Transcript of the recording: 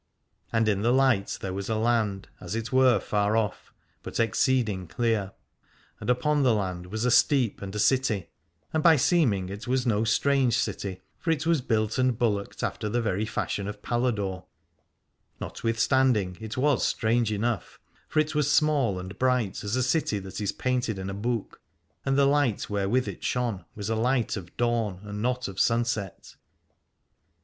And in the light there was a land, as it were far off but exceeding clear : and upon the land was a steep and a city, and by seeming it was no strange city, for it was built and bulwarked after the very fashion of Paladore. Notwithstanding it was strange enough : for it was small and bright as a city that is painted in a book, and the light wherewith it shone was a light of dawn and not of sunset.